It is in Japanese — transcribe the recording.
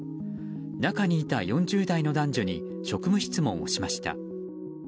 中にいた４０代の男女に職務質問をしました。